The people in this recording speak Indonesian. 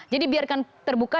jadi biarkan terbuka